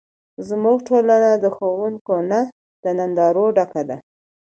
زموږ ټولنه د ښوونکو نه، د نندارو ډکه ده.